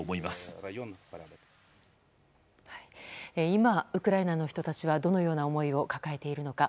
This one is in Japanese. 今、ウクライナの人たちはどのような思いを抱えているのか。